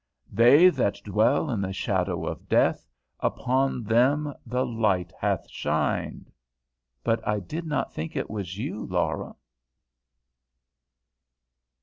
"'They that dwell in the shadow of death, upon them the light hath shined.'" "But I did not think it was you, Laura."